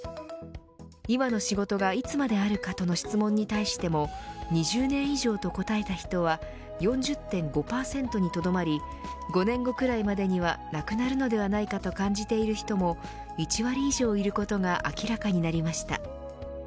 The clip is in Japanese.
今の仕事がいつまであるかとの質問に対しても２０年以上と答えた人は４０．５％にとどまり５年後くらいまでにはなくなるのではないかと感じている人も１割以上いることが明らかになりました。